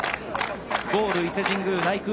ゴール伊勢神宮内宮